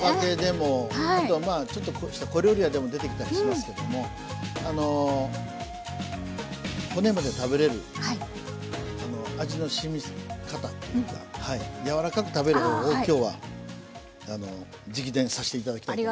あとはまあちょっとした小料理屋でも出てきたりもしますけどもあの骨まで食べれる味のしみ方というかやわらかく食べる方法を今日は直伝さしていただきたいと思います。